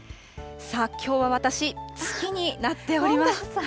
さあ、きょうは私、月になっております。